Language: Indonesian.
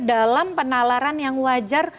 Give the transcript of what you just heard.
dalam penalaran yang wajar